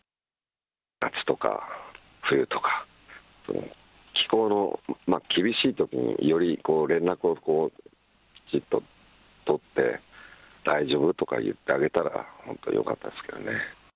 夏とか冬とか、気候の厳しいときによりこう、連絡をきちっと取って、大丈夫？とか言ってあげたら、本当、よかったですけどね。